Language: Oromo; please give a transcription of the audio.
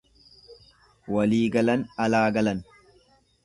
Waliigalan alaa galan!